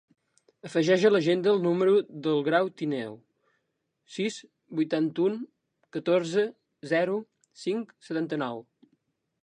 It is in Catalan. Afegeix a l'agenda el número del Grau Tineo: sis, vuitanta-u, catorze, zero, cinc, setanta-nou.